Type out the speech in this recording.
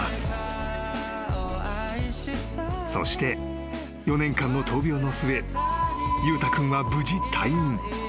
［そして４年間の闘病の末裕太君は無事］